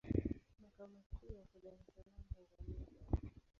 Makao makuu yako Dar es Salaam, Tanzania.